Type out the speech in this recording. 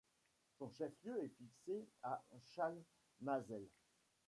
Son chef-lieu est fixé à Chalmazel.